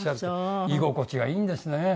居心地がいいんですね。